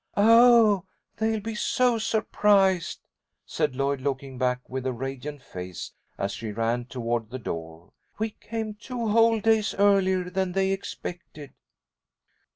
"Oh, they'll be so surprised!" said Lloyd, looking back with a radiant face as she ran toward the door. "We came two whole days earlier than they expected!"